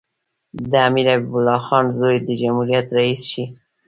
د امیر حبیب الله خان زوی د جمهوریت رییس شي.